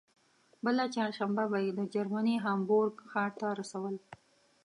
بله چهارشنبه به یې د جرمني هامبورګ ښار ته رسول.